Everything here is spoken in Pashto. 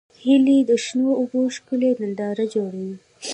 هیلۍ د شنو اوبو ښکلې ننداره جوړوي